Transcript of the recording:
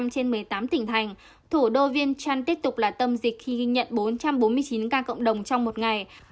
trong ngày một mươi năm trên một mươi tám tỉnh thành thủ đô vien chanh tiếp tục là tâm dịch khi ghi nhận bốn trăm bốn mươi chín ca cộng đồng trong một ngày